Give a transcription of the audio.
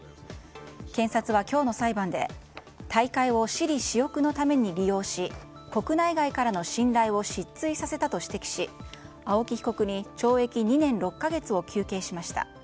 検察は今日の裁判で大会を私利私欲のために利用し国内外からの信頼を失墜させたと指摘し、青木被告に懲役２年６か月を求刑しました。